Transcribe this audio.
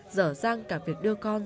dở dàng cả việc đưa con